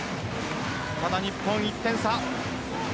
ただ日本、１点差。